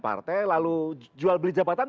partai lalu jual beli jabatan